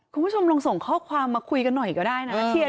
คุณผู้ชมลองส่งข้อความมาคุยกันหน่อยก็ได้นะเชียร์